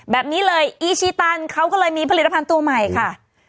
แบบนี้เลยอีชีตันเขาก็เลยมีผลิตภัณฑ์ตัวใหม่ค่ะ